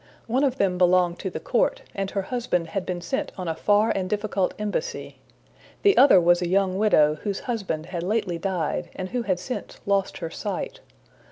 One of them belonged to the court, and her husband had been sent on a far and difficult embassy. The other was a young widow whose husband had lately died, and who had since lost her sight.